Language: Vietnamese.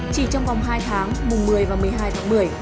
chỉ trong vòng hai tháng mùng một mươi và một mươi hai tháng một mươi